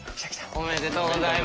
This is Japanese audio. おめでとうございます。